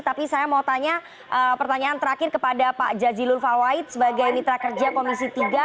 tapi saya mau tanya pertanyaan terakhir kepada pak jazilul fawait sebagai mitra kerja komisi tiga